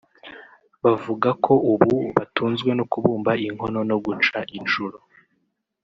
Bavuga ko ubu batunzwe no kubumba inkono no guca inshuro